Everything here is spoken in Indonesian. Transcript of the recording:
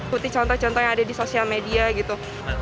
putih contoh contoh yang ada di sosial media gitu